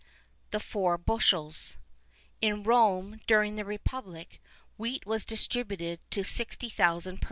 _ the four bushels.[II 31] In Rome, during the republic, wheat was distributed to 60,000 persons.